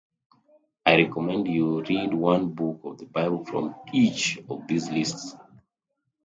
I recommend you read one book of the bible from each of these lists: